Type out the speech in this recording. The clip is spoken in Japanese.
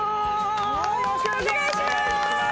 よろしくお願いします！